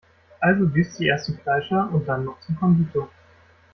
Also düst sie erst zum Fleischer und dann noch zum Konditor.